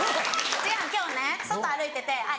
違うの今日外歩いててあっ